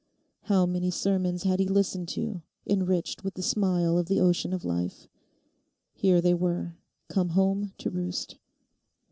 How many sermons had he listened to, enriched with the simile of the ocean of life. Here they were, come home to roost.